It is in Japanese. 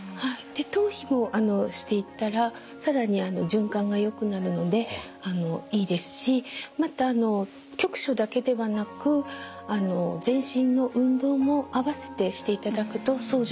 頭皮もしていったら更に循環がよくなるのでいいですしまたあの局所だけではなく全身の運動も併せてしていただくと相乗効果が出ます。